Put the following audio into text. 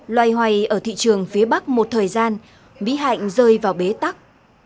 loay hoay ở thị trường phía bắc một thời gian bí hạnh rơi vào bế tắc